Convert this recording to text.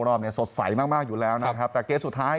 รอบนี้สดใสมากมากอยู่แล้วนะครับแต่เกมสุดท้าย